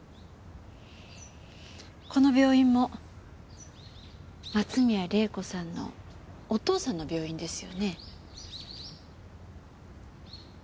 この病院も松宮玲子さんのお父さんの病院ですよね？